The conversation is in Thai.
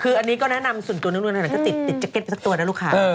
คืออันนี้ก็แนะนำส่วนตัวนึงติดแจ๊กเก็ตไปสักตัวนะลูกค่ะ